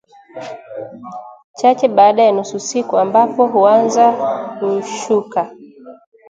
chache baada ya nusu siku ambapo huanza kushuka